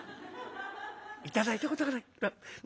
頂いたことがない。